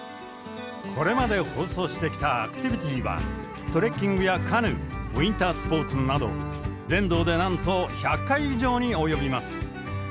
これまで放送してきたアクティビティーはトレッキングやカヌーウインタースポーツなど全道でなんと１００回以上に及びます。